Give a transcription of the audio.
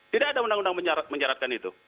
tidak ada undang undang mencaratkan itu